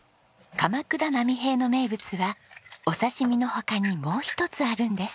鎌倉波平の名物はお刺し身の他にもう一つあるんです。